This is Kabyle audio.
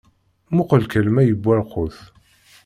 Muqqel kan ma yewwa lqut?